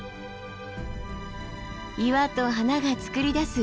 岩と花がつくり出す